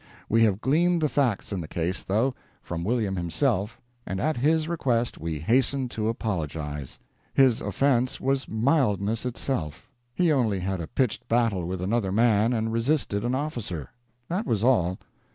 We have gleaned the facts in the case, though, from William himself, and at his request we hasten to apologize. His offense was mildness itself. He only had a pitched battle with another man, and resisted an officer. That was all.